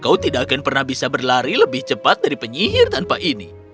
kau tidak akan pernah bisa berlari lebih cepat dari penyihir tanpa ini